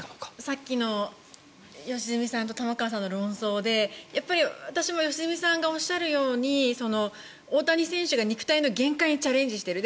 さっきの良純さんと玉川さんの論争で私も良純さんがおっしゃるように大谷選手が肉体の限界にチャレンジしている。